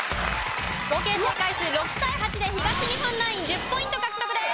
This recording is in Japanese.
合計正解数６対８で東日本ナイン１０ポイント獲得です。